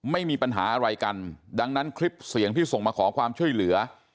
ไม่มีปัญหาอะไรกันดังนั้นคลิปเสียงที่ส่งมาขอความช่วยเหลือ